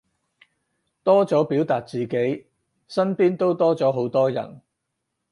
多咗表達自己，身邊都多咗好多人